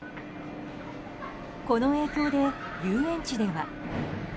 この影響で、遊園地では。